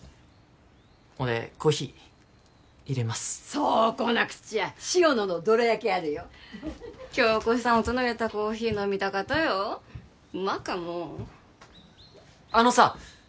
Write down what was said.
俺コーヒーいれますそうこなくちゃ塩野のどら焼きあるよ響子さん音のいれたコーヒー飲みたかとようまかもんあのさ